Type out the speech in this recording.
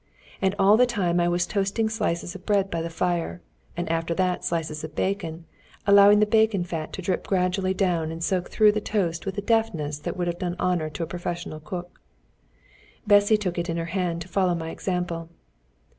And all the time I was toasting slices of bread by the fire, and after that slices of bacon, allowing the bacon fat to drip gradually down and soak through the toast with a deftness that would have done honour to a professional cook. Bessy took it into her head to follow my example.